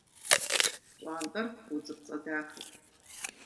ПщӀантӀэр удзыпцӀэ дахэт.